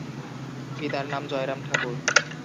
পিতার নাম জয়রাম ঠাকুর।